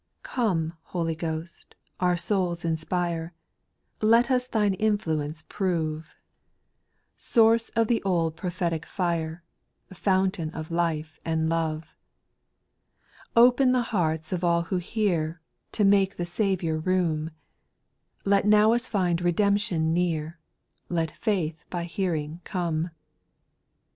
PjOME, Holy Ghost, our souls inspiie, yj Let us Thine infLxxeiTvc.^ \ftQ^^^ 35 422 8P1RITVAL SONGS. Source of the old prophetic fire, Fountain of life and love. 2. Open the hearts of all who hear, To make the Saviour room ; Now let us find redemption near, Let faith by hearing come.